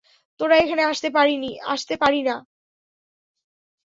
তোরা এখানে আসতে পারি না।